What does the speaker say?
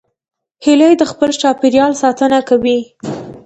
هیلۍ د خپل چاپېریال ساتنه کوي